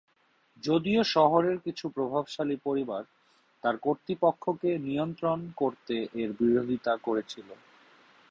যদিও শহরের কিছু প্রভাবশালী পরিবার তার কর্তৃপক্ষকে নিয়ন্ত্রণ করতে এর বিরোধিতা করেছিল।